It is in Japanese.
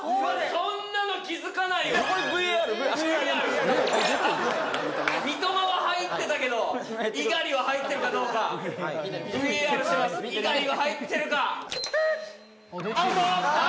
そんなの気付かないよ三笘は入ってたけど猪狩は入ってるかどうかＶＡＲしてます